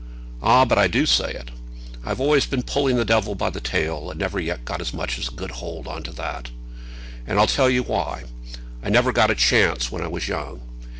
"Ah, but I do say it. I've always been pulling the devil by the tail, and never yet got as much as a good hold on to that. And I'll tell you why; I never got a chance when I was young.